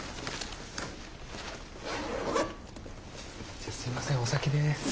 じゃあすいませんお先です。